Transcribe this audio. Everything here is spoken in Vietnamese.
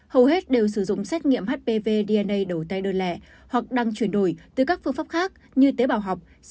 hầu hết đều sử dụng xét nghiệm hpv dna đầu tay đơn lẻ hoặc đang chuyển đổi từ các phương pháp khác như tế bào học sang hpv dna